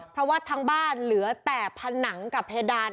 เพราะว่าทั้งบ้านเหลือแต่ผนังกับเพดาน